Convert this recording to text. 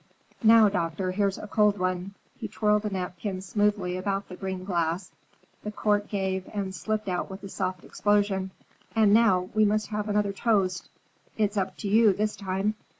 Now, doctor, here's a cold one." He twirled a napkin smoothly about the green glass, the cork gave and slipped out with a soft explosion. "And now we must have another toast. It's up to you, this time."